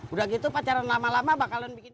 udah gitu pacaran lama lama bakalan bikin